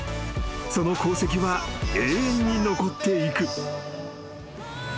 ［その功績は永遠に残っていく］